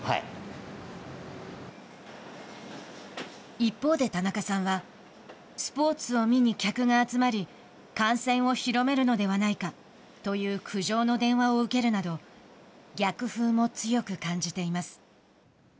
一方で田中さんはスポーツを見に客が集まり感染を広めるのではないかという苦情の電話を受けるなど逆風も強く感じています。